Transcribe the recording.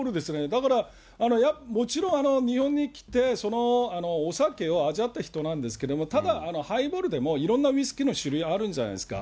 だから、もちろん日本に来て、お酒を味わった人なんですけど、ただ、ハイボールでもいろんなウイスキーの種類、あるんじゃないですか。